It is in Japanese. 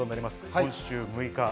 今週６日。